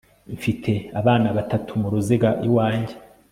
mfite abana batatu muruziga iwanjye